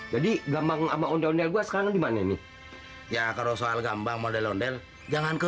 jadi gampang sama ondel ondel gue sekarang gimana nih ya kalau soal gampang model ondel jangan ke